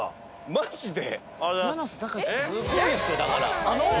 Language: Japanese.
マジで？